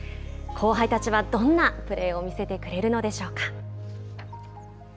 後輩たちは、どんなプレーを見せてくれるのでしょうか。